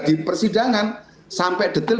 di persidangan sampai detail